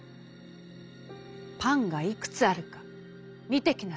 『パンがいくつあるか見て来なさい』。